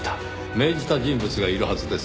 命じた人物がいるはずです。